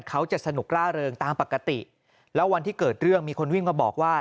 เขาจะสนุกร่าเริงตามปกติแล้ววันที่เกิดเรื่องมีคนวิ่งมาบอกว่า